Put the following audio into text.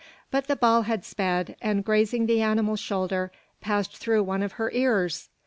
But the ball had sped; and grazing the animal's shoulder, passed through one of her ears!